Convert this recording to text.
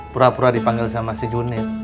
pura pura dipanggil sama si juni